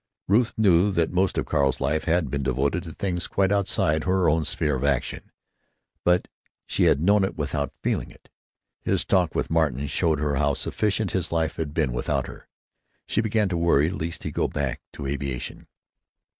Ruth knew that most of Carl's life had been devoted to things quite outside her own sphere of action, but she had known it without feeling it. His talk with Martin showed her how sufficient his life had been without her. She began to worry lest he go back to aviation.